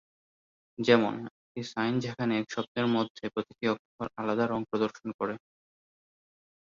যেমন, একটি সাইন যেখানে এক শব্দের মধ্যে প্রতিটি অক্ষর আলাদা রং প্রদর্শন করে।